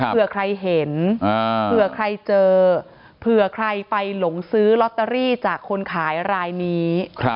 เผื่อใครเห็นเผื่อใครเจอเผื่อใครไปหลงซื้อลอตเตอรี่จากคนขายรายนี้